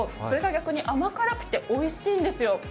それが逆に甘辛くておいしいんですよ。